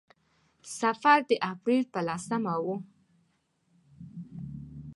سفر د اپرېل په لسمه و.